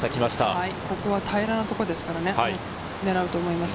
ここは平らな所ですからね、狙うと思います。